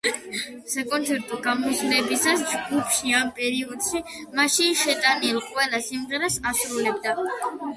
საკონცერტო გამოსვლებისას ჯგუფი ამ პერიოდში მასში შეტანილ ყველა სიმღერას ასრულებდა.